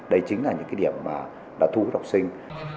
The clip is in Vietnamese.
đấy chính là những cái điểm đã thu hút học sinh